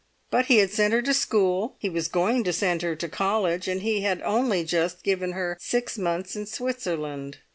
But he had sent her to school, he was going to send her to college, he had only just given her six months in Switzerland.